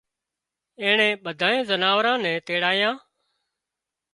اينڻيئي ٻڌانئي زناوران نين تيڙايان